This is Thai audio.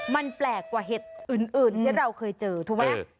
มันแปลกกว่าเห็ดอื่นที่เราเคยเจอถูกไหม